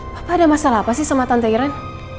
papa ada masalah apa sih sama tante iren